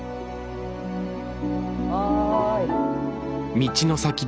おい。